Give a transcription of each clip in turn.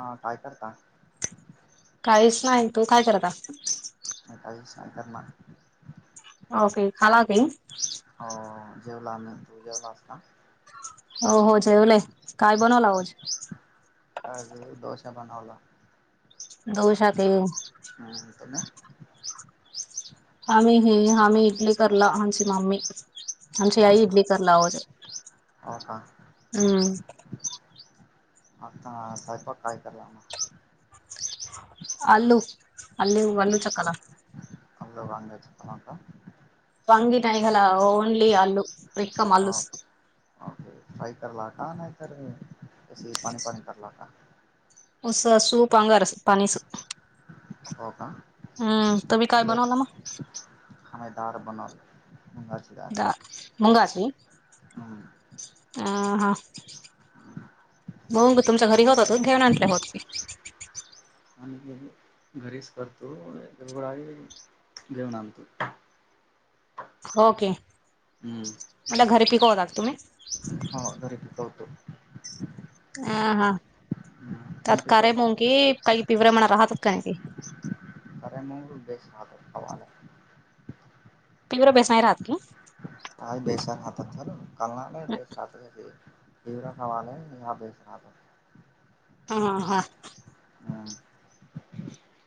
हा काय करता? काहीच नाही. तू काय करता? नेताजी शंकर ना. ओके खालाके. हो जेवलाम् तू जेवलास का? हो हो जेवले. काय बनवला होज? आज डोसे बनवले. दोशात. ह तम. आम्ही हे आम्ही इडली करला आमची मम्मी. म्हश हो आई का? इडली करलावोज हो का? हम्म आता सैपाक काय केला? अल्लू अल्ली अल्लू चकाला- आला वांगच त म का वंग टईला ओनली अल्ू रिकम हो अल्लूस ओके फ्राय करला का नाही इ तरर कस पाणी पाणी करला का? स सूपंग अस पनीस हो का? हम्म तुम्ही काय बनवलं मग? खादार बनला ह मुंगाास हम. अ हा बऊ म ग तुमच्या घरी होत होत घेऊन आणल्या होत की आणि घरीच करतो गडबडारी घेऊन आणतो. हो की. हम्म. म्हट घरी पिकवतात तुम्ही? ह घरी पिकवतो. अ हा हम्म आत तुम्ही करे पिकवता मों का? की काही पिवरे म्हणा राहतात का नाही की तारय मंगल बेस हात प आला तीव्र बेस नाही राात की का बेशर हातात प कालना नाही बश ह घ तवरा हवा आहे यहा बेच राहाात हा हा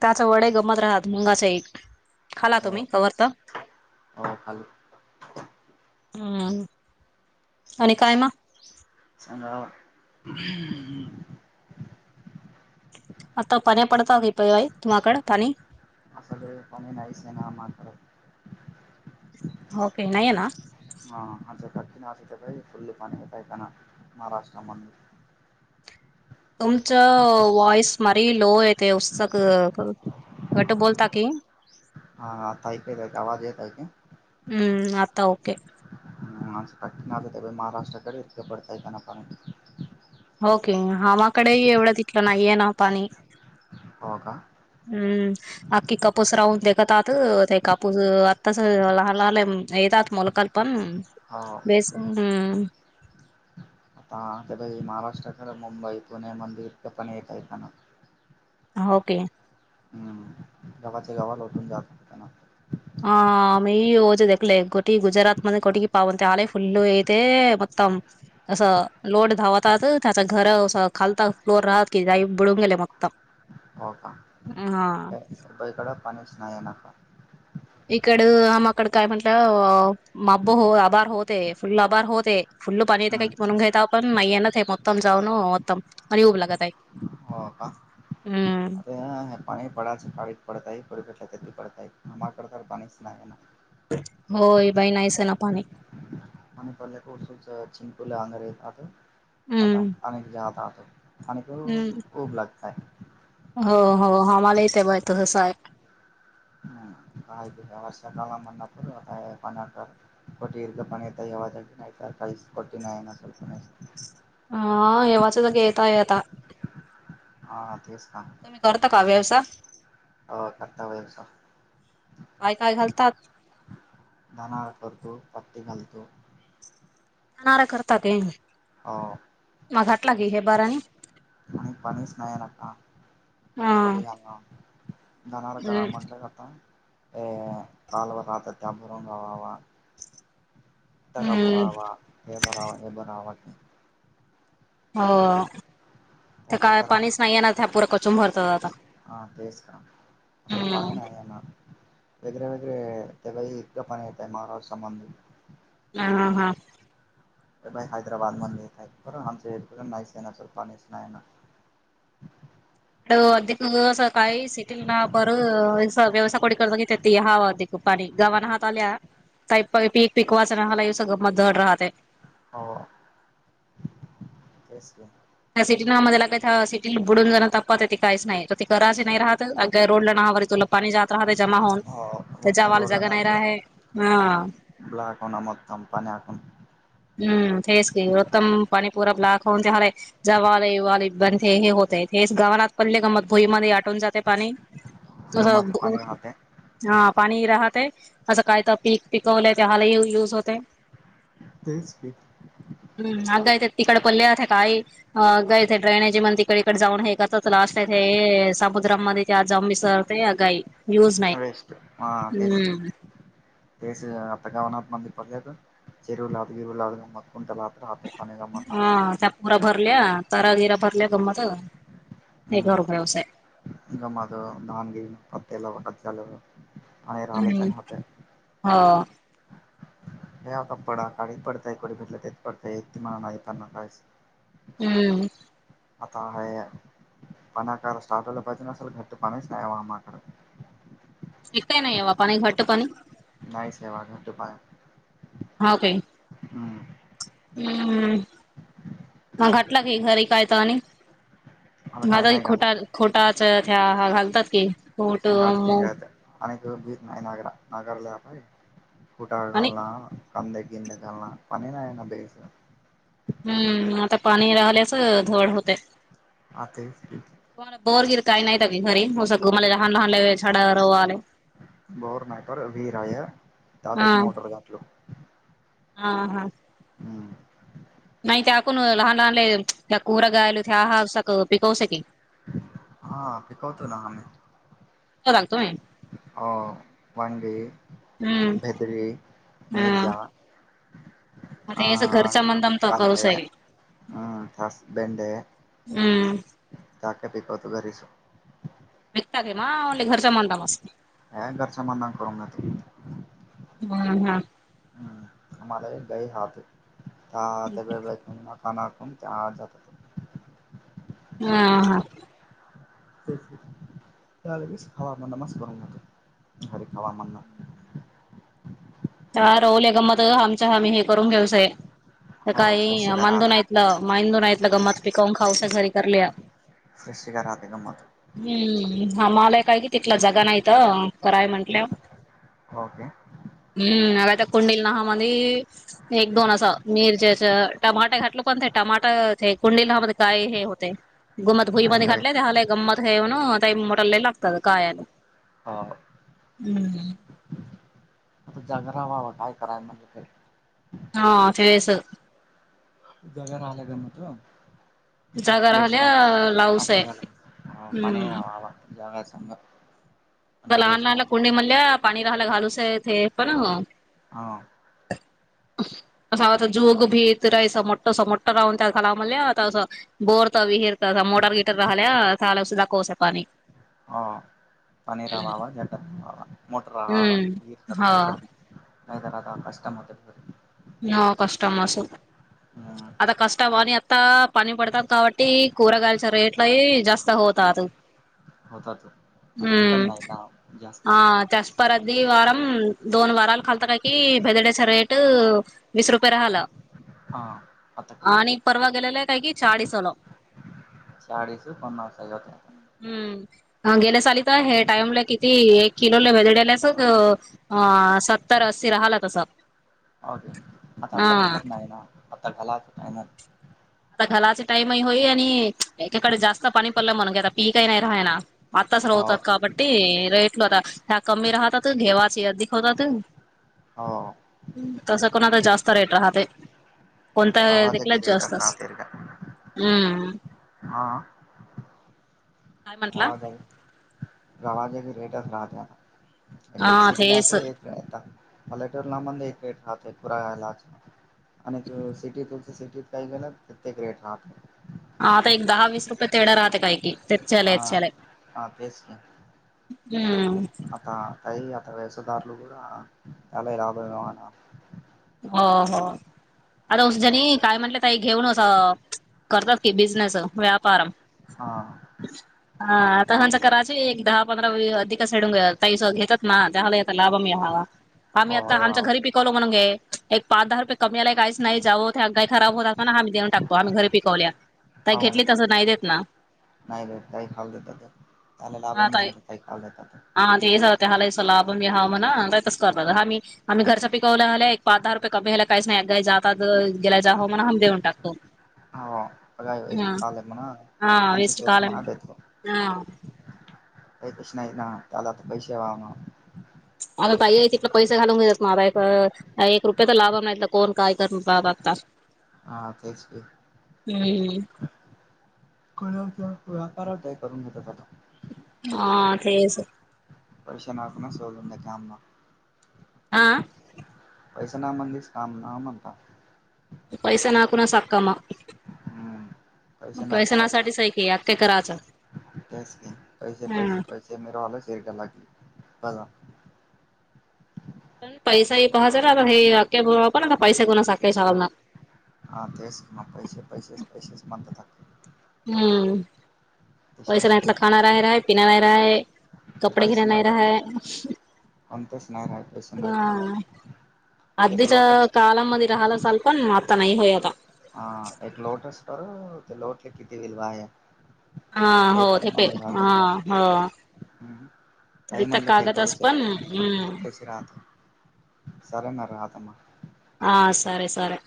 त्याचा वडे गमत राहात मुंगाचे एक खाला तुम्ही खबर तर हो खाली ह आणि काय मग चांगल आता पानी पडताातिय तुम्हाकड पानी अससल कमीे नाहीसे ना आमार ओके नाही आहे ना ह आता कठीण आ असते का फुल्ले पाणी पय पना महाराष्ट्र म्हण तुमचं वॉइस मारी लो येते उस्तक वटं बोलता की हा ताय काय आवाज य त आहे का हम्म आता ओके पटन आ ते महाराष्ट्रा कडेरक पडतय त्यांना प ओके हमाकडे एवढं तथलं नाहीये ना पाणी हो का हम्म आख्खी कापूस राहून तेखतात ते कापूस आत्ताच लहान लहानले येतात मोलकाल पण हो बेस हा आता ते महाराष्ट्रा खरं मुंबई पुणे मंदिर पण येत आहे का ना ओके गावाच्या गावाला उटून जात होताना ह आ मही रोज दखला कोठी गुजरात मध्ये कोटकी पाव तले फुल्ल अयते मतम असं लोट धावतात त्याच घर अस खालतात फ्लोर राहत की जाई बिडून गेले मगत हो का ह बाईकड पाणीच नाही नका इकड आमकड काय म्हंटलं माप हो आभार होते फुल्ल आभार होते फुल्ल पाणी येते काही की हम्म म्हणून घेय पण नाही ये ना उत्तम जाऊ न उत्तम आणि उऊभ लागत तय हो का अ पाणी पडाच पाळीत पडतय पराती पडता आमाकडे तर पाणीच नाही ना होय बाई नाहीस ना पाणी म पले खषध चिंकुले आंगारे आतो आता हम्म अनेक जाता आतो खानक हम्म उब लागतय हो हो आम्हाला येत आहे बा त तस आहे काय सला म्हणणाप आता प कोटी दर्घपण येत येवसाठी नाहीत काहीच कोटी नाही आहे ना स्लप नाही हा हेव्हाचच येतय आता हा तेस्त तुम्ही करता का व्यवसाय हो करताव व्यवसाय काय काय घालतात दधना करतो पट्टी घालतो करणार करतात ह म घाटला की हे बारानी आणि पाणीच नाहीय न का हा ब धनाार हम्म ग्रमट गता पालवर राहता त्याबुरंग कावावा हम्म बरावा हे बरावा हे बरावा हो ते काय पाणीच नाही येनार त्या पुूर कचुंन भरतं जातं आता असलं पाय हम्म नाही आहे ना वेगळेवेगळे आहं त्यावेळी इथं पाणी येतंय महाराष्ट्र मधून ना ह् हा [unintelligible] [unintelligible] पाणी गावना हातला ताई पि पिक पीकवायच्या ह्यो मग धड राहतंय हो तेच गं त्या सिटी मला काही सिटी बुडून जाण तपत ते काहीच नाही तर ते करायच नाही राहत अ रोडला नावावर तुला पाणी जात राहते जमा होऊन हो त्याच्या आवाला जगा नाही रा आहे ह [unintelligible] हम्म तेेस क रतम पाणी पूरा ब्लाक होऊनते हरे जवालवाल बण हे होतय हेच गावनाात पडले गमत भुईमध्ये आटवून जाते पाणी ह त हा हा पाणी राहते असं काय तर पीक पिकवलंय ते हलाही यूज होते तेच की हम् आगाय ते तिकड कोले काय तकाळी [unintelligible] ताई आगाई [unintelligible] [unintelligible] राहतंय आणि काय हा त्या पुरा भरल्या तारा गिरा भरल्या गंमत यांच्यावर भरोसा आहे हम्म [unintelligible] हो [unintelligible] हम्म आता आहे, पणा काय साटिगला पाहिजे ना सर घट्ट पाणीच नाय माझा कडं एकदा ही काही नाही बाव पाणी घट्ट पाणी नाही सेवा घट्ट पाणी-‍- हो काई हम्म हम्म म घटलाग घरी कायताव आणि मला काही माता नाही घाला खोटा खोटाच त्या घालतात की खोट शेंगाच मग [unintelligible] आणि [unintelligible] हम्म आता पाणी राहिल्याच धड होतेय, आ तेच कि [unintelligible] बोर ना विहिर आहे त्यात हा एक मोटर घातलो. हा हा हम्म नाही त्या अकण लहान लहानले त्या कुरा गायल त्या हा पिकवू शके हा पिकवतो ना आम्ही लागतो. हा वनगे हम्म भेद्री हा मिर्जा हा आता याच घरच्या मंदम तर करूच कांदे आहे हम्म [unintelligible] [unintelligible] [unintelligible] हम हा कामाला एक बाई राहते त्या बाकून मकानाकून त्या आत जातात हम्म हा -हा तेच की त्याचवेळीस हवामान न मस्त गरम होते हायब्रीट हवामानं [unintelligible] त्या राहुले गंमत आमच्या हाम्ही हे करून घेऊसय. तर हो फ्रेश काही शिगा मांधून राहतात ऐकलं मांडून ऐलं गंमात पिकवून खाऊसा घरी करल्या [unintelligible] स्पेशेका राते का मग [unintelligible] हम्म आमालाय काय कि तिथला जगा नाहीत कराय म्हंटलंव. ओके हम्म आता कुंडिल नाहा मधी एक दोन असं मिरच्याच टमाट घटलं पण ते टमाट ते कुंडलमध्ये काय हे होत. नाही होय [unintelligible] हा. हम्म. [unintelligible] हा [unintelligible] [unintelligible] जागा राहिल्या लावूस आहे हम्म [unintelligible] आता म्हटलं लहान बेस लहानला राहत कुणी म्हणल्या पाणी घाला घालू [unintelligible] पण हे. हा. [unintelligible] असं वाता जूक भी इतरही स मोटं स मोट राऊंड त्याच आम्हाला लई हसावसं बोर च विहीर च मोटर गीटर राहिल्या सला सुद्धा कोस पाणी हा पाणी चा आवाज मोटर विहिरीत हम्म हो काय झालं.? राहता रहाता कष्ट मोठे आहेत. ना कष्ट मास आता कष्टवा आणि आता पाणी पडतात कावाटी कोरगाळचं रेट लई जास्त होतात. होतात, आता भेटन नाही ना जास्ता प्रदी वारम दोन वाराला खालात काय की बेदडे्या स रेट [unintelligible] वीस रुपये राहल. हा आता तिथ परवा गेलेलाय काय की चाळीसला चाळीस - पन्नास हजार होते हम्म, गेल्या सालीत हे टाइमला किती एक किलोला भेदलयासात अ ह सत्तर असी राहाल तसं. ओके आता हा आता भेटत नाही ना. आता घाला कायमग आता घलाचे टाइमही होई आणि एकीकडे जास्त पाणी पडलं म्हणून की आता पीकही काही राहिणा. आताच हो रावतात काबट्टी रेटलता त्या कमी राहतात घेवाची दीखवतातन. हो. तसं कोण आता जास्त रेट राहते. कोणत रवाजाची देखलात रेट जास्त अस राहते का हा काय म्हंटला वाज दरवाजे रेट राहता एक एक हा सिट ला तेच एक पलेटूर ला मण एकेट राहते पुरायलाच आणि सिटी तुमचं सिटीत काही गेलं प्रत्येक रेट राहतो हा आता एक दहा वीस रुपये तेढ्या राहते काय कि हा तेचच्यालच्याल हा तेच की हम्म. आता तई आता व्यसदारला क चला लाभमवाणार. हो हो आर उसजनी काय म्हटलं. काही घेऊनच करतात की बिझनेस व्यापार हा. हा आता हच्या कराची एक दहा पंधरा अधिकच सेडून घ तस घेत. ना त्याला आ लाभ मिळावा आम्ही आता आमच्या घरी पिकवलो म्हणून गे. एक पाच दहा रुपये कमी आलाय काहीच नाही जाऊं ते काही खब होत अस नाम् देऊन टाकतो आम्ही घरी पिकवल्या. काही घेतली तसं नाही देत ना. नाही रेट काही खाऊ देतात त्यालाव हा ताई नाही काही खाल देतात. हा तेचं हला लाभ मी हवा म्हणा तस करत आम्ही आम्ही घरच्या पिकवला आलाय. पा दहा रुपये कमीी्यायला काच नाहीाही जात गेला जाव म्हण हम देऊ टकतो. होका म्हणा हा अजी वेस्ट सत कालम मना बेत हा काही कच नाही ना त्याला आता पैसे वा ना. आ बाई आहे तिथला पैसे घालून घेतात माय एक रुपये तर लावा नाहीतर कोण काय करण बाता हा तेच की हम्म कळ किंवा व्यापार काय करून घेतात आता हा तेच वरीषनकण सोधंडे काामं आह. पैसे ना म्हणलीस काम न म्हणता. पैसा नाक ना सखमा हम्म पैसे नाही तर आतास नासाठीच आहे की अक्के करायचं पैसे हा पैसे पैसे से मरोवाला शे ट ला बा. पैसा ह पाहाच नाता हे आके ना पैसे कोणा साखे ाव ना. हा तेस ना पैसे पैसेस पैसेस म हम्म तशी वैस राहते नाहीतलं खाना राहि राहा ह पिना रा राहा ह. कपडे घिर काहीच नाही र राहत कोणतेच नाही राहत पैसे नाहीत ना हा. एक अधच्या लोटस काळामध्ये राहाला असल पण आता नाही होय आता हा एक लोटस कर ते लोटले किती विलवाया हा हो ते हा हो. काही म्हणलं ते करूच आहे कशी राहत सर ना राहत मग हा सर सर